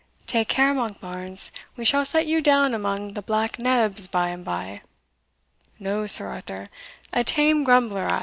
"Take care, Monkbarns! we shall set you down among the black nebs by and by." "No Sir Arthur a tame grumbler I.